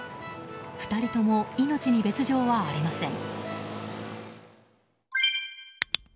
２人とも命に別条はありません。